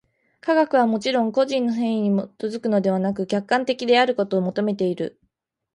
科学はもちろん個人の肆意に基づくのでなく、客観的であることを求めている。